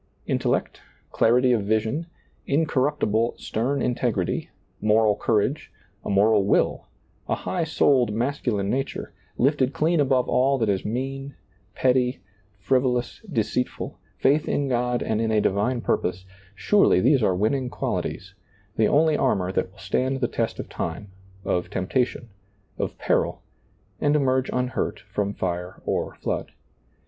Intellect, clarity of vision, incor ruptible, stem integrity, moral courage, a moral will, a high souled masculine nature, lifted clean above all that is mean, petty, frivolous, deceitful, feith in God and in a divine purpose, surely these are winning qualities, the only armor that ^lailizccbvGoOgle io6 SEEING DARKLY will stand the test of time, of temptation, of peril, and emerge unhurt from fire or flood.